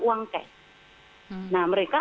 uang cash nah mereka